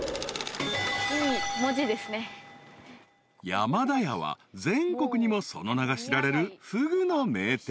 ［山田やは全国にもその名が知られるふぐの名店］